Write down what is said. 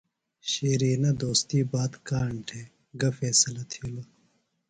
شِرینہ دوستی بات کاݨ تھےۡ گہ فیصلہ تِھیلوۡ ؟